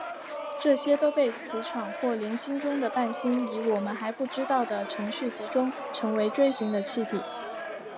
这些都被磁场或联星中的伴星以我们还不知道的程序集中成为锥形的气体。